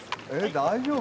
大丈夫？